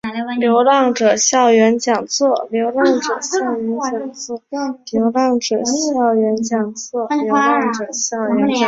流浪者校园讲座